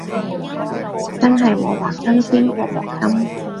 真係鑊鑊新鮮鑊鑊甘